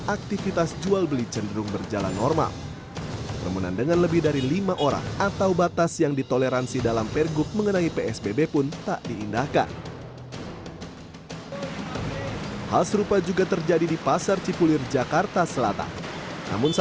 aktivitas jualan ikan yang lebih berkualitas dan lebih berkualitas